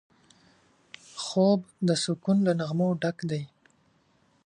خوب د سکون له نغمو ډک دی